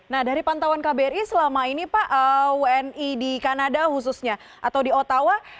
nah dari pantauan kbri selama ini pak wni di kanada khususnya atau di ottawa